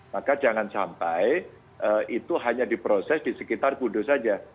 maka jangan sampai itu hanya diproses di sekitar kudus saja